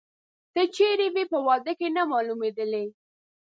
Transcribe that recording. ته چیري وې، په واده کې نه مالومېدلې؟